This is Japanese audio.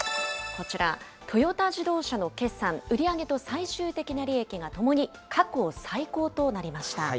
こちら、トヨタ自動車の決算、売り上げと最終的な利益がともに過去最高となりました。